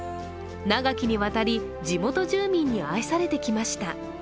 長きにわたり、地元住民に愛されてきました。